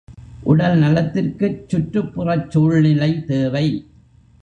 உடல் நலத்திற்குச் சுற்றுப்புறச் சூழ்நிலை தேவை.